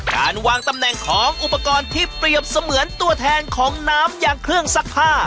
การวางตำแหน่งของอุปกรณ์ที่เปรียบเสมือนตัวแทนของน้ำอย่างเครื่องซักผ้า